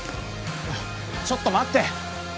ちょっと待って。